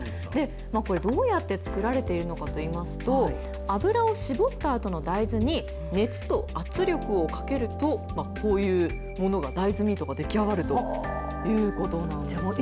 これ、どうやって作られているのかといいますと、油を搾った後の大豆に、熱と圧力をかけると、こういうものが、大豆ミートが出来上がるということなんですよね。